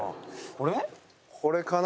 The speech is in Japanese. これかな？